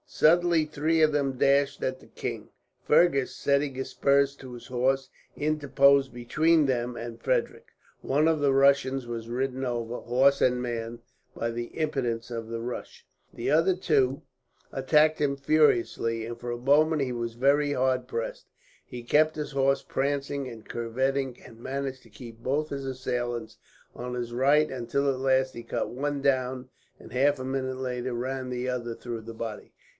Suddenly three of them dashed at the king. Fergus, setting spurs to his horse, interposed between them and Frederick. One of the Russians was ridden over, horse and man, by the impetus of his rush. The other two attacked him furiously, and for a moment he was very hard pressed. He kept his horse prancing and curvetting, and managed to keep both his assailants on his right; until at last he cut one down and, half a minute later, ran the other through the body.